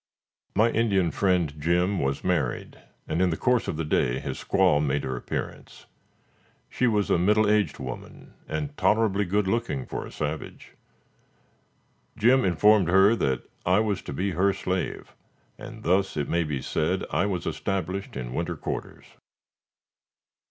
My Indian friend Jim was married, and, in the course of the day, his squaw made her appearance. She was a middle aged woman, and tolerably good looking for a savage. Jim informed her that I was to be her slave, and thus it may be said I was established in winter quarters.